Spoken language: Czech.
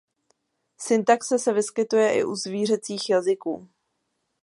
Syntaxe se vyskytuje i u zvířecích jazyků.